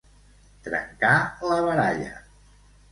Trencar la baralla.